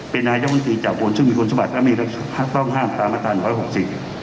เป็นนายกนตรีเจ้ากลซึ่งมีควรสบัตรกรรมีและต้องห้ามตามตามตามหน้าหกสิบ